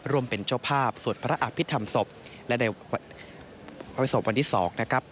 รวมเป็นเจ้าภาพสวดพระอภิตธรรมศพและในศาลาธรรมนุภาพวันที่สองนะครับ